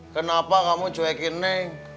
kenapa kamu cuekin neng